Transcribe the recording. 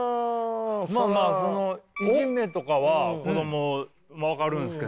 まあまあそのいじめとかは子ども分かるんすけども。